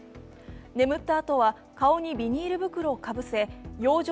眠ったあとは顔にビニール袋をかぶせ養生